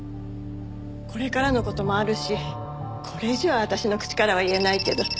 これからの事もあるしこれ以上は私の口からは言えないけど。